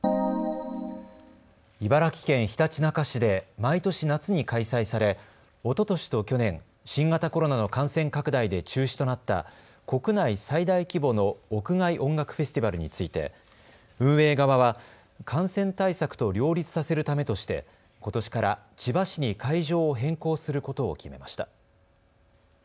茨城県ひたちなか市で毎年夏に開催されおととしと去年、新型コロナの感染拡大で中止となった国内最大規模の屋外音楽フェスティバルについて運営側は感染対策と両立させるためとして、ことしから千葉市に会場を変更することを決めました。